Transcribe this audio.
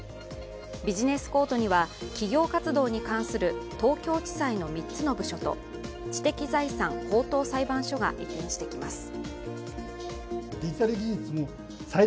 ビジネス・コートには企業活動に関する東京地裁の３つの部署と知的財産高等裁判所が移転してきます。